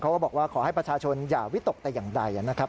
ก็บอกว่าขอให้ประชาชนอย่าวิตกแต่อย่างใดนะครับ